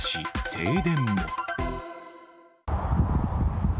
停電も。